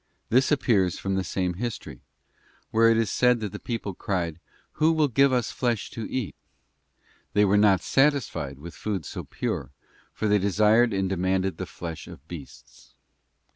This appears from the same history, where it is said that the people cried, 'Who will give us flesh to eat?'{ They were not satisfied with food so pure, for they desired and demanded the flesh of beasts.